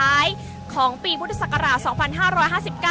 อาจจะออกมาใช้สิทธิ์กันแล้วก็จะอยู่ยาวถึงในข้ามคืนนี้เลยนะคะ